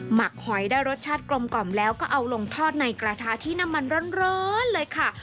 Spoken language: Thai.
หักหอยได้รสชาติกลมกล่อมแล้วก็เอาลงทอดในกระทะที่น้ำมันร้อนเลยค่ะ